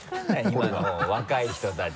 今の若い人たち。